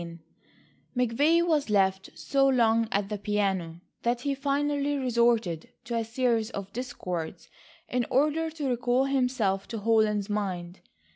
VII McVay was left so long at the piano that he finally resorted to a series of discords in order to recall himself to Holland's mind.